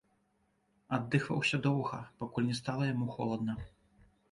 Аддыхваўся доўга, пакуль не стала яму холадна.